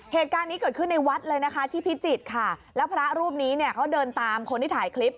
เหตุการณ์นี้เกิดขึ้นในวัดเลยนะคะที่พิจิตรค่ะแล้วพระรูปนี้เนี่ยเขาเดินตามคนที่ถ่ายคลิป